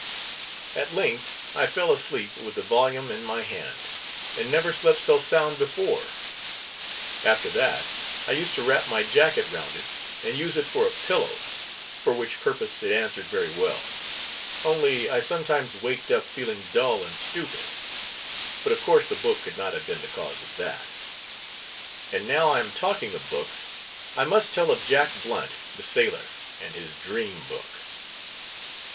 At length I fell asleep, with the volume in my hand; and never slept so sound before; after that, I used to wrap my jacket round it, and use it for a pillow; for which purpose it answered very well; only I sometimes waked up feeling dull and stupid; but of course the book could not have been the cause of that. And now I am talking of books, I must tell of Jack Blunt the sailor, and his Dream Book.